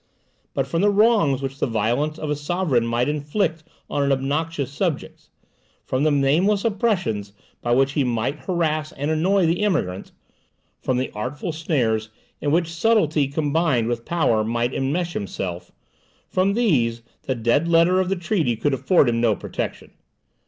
But from the wrongs which the violence of a sovereign might inflict on an obnoxious subject; from the nameless oppressions by which he might harass and annoy the emigrant; from the artful snares in which subtilty combined with power might enmesh him from these, the dead letter of the treaty could afford him no protection.